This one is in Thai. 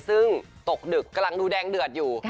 ซึ่งตกดึกกำลังดูแดงเดือดอยู่